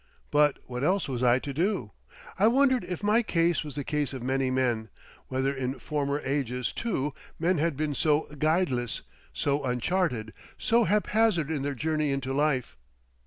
But what else was I to do? I wondered if my case was the case of many men, whether in former ages, too, men had been so guideless, so uncharted, so haphazard in their journey into life.